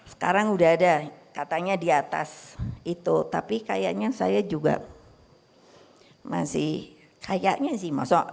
sekarang udah ada katanya di atas itu tapi kayaknya saya juga masih kayaknya sih masuk